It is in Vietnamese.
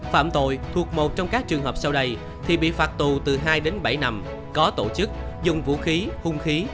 phạm tội thuộc một trong các trường hợp sau đây thì bị phạt tù từ hai đến bảy năm có tổ chức dùng vũ khí hung khí